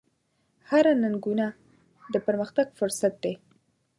هره ننګونه د پرمختګ فرصت دی.